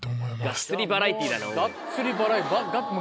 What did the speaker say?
がっつりバラエティー。